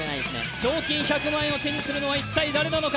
賞金１００万円を手にするのは一体誰なのか。